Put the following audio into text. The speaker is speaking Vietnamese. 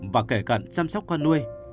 và kể cận chăm sóc con nuôi